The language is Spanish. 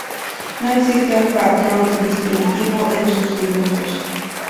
No existe un patrón distintivo en sus dibujos.